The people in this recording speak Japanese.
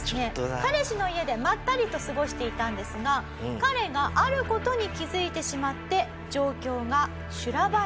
彼氏の家でまったりと過ごしていたんですが彼がある事に気づいてしまって状況が修羅場へと変わってしまいます。